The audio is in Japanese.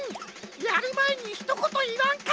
やるまえにひとこといわんか！